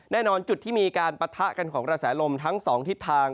แน่นอนจุดที่มีการปะทะกันของกระแสลมทั้ง๒ทิศทาง